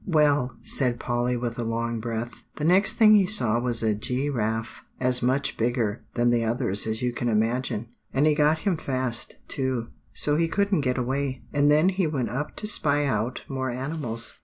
"Well," said Polly with a long breath, "the next thing he saw was a gi raffe, as much bigger than the others as you can imagine. And he got him fast, too, so he couldn't get away; and then he went up to spy out more animals.